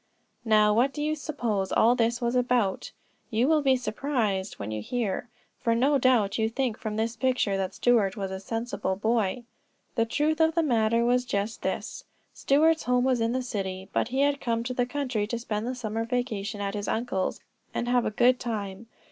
Now, what do you suppose all this was about? You will be surprised when you hear, for no doubt you think from his picture that Stuart was a sensible boy. The truth of the matter was just this: Stuart's home was in the city, but he had come to the country to spend the summer vacation at his uncle's, and have a good time.